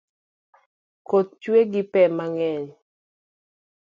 Koth ochue gi pe mang’eny